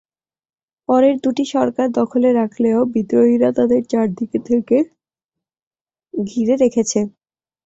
পরের দুটি সরকার দখলে রাখলেও বিদ্রোহীরা তাদের চারদিক থেকে ঘিরে রেখেছে।